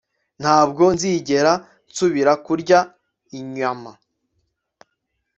Ntabwo nzigera nsubira kurya inyama